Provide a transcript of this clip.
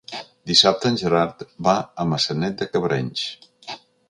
Dissabte en Gerard va a Maçanet de Cabrenys.